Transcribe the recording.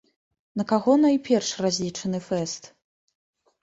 На каго найперш разлічаны фэст?